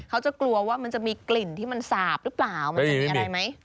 กลัวว่ามันจะมีกลิ่นที่มันสาบหรือเปล่ามันจะมีอะไรไหม